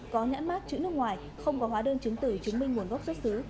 có nhãn mát chữ nước ngoài không có hóa đơn chứng tử chứng minh nguồn gốc xuất xứ